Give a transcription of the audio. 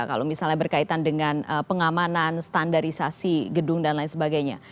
kalau misalnya berkaitan dengan pengamanan standarisasi gedung dan lain sebagainya